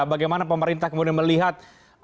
bagaimana pemerintah kemudian melihat